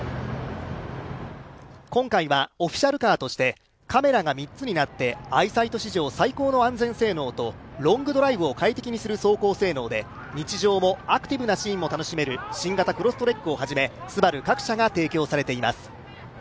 今回はオフィシャルカーとしてカメラが３つになって、アイサイト史上最高の性能とロングドライブを快適にする走行性能で日常もアクティブなシーンも楽しめる、ＳＵＢＡＲＵ各車が提供されています。